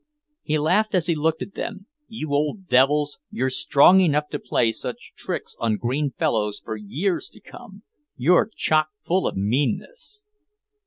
He laughed as he looked at them. "You old devils, you're strong enough to play such tricks on green fellows for years to come. You're chock full of meanness!"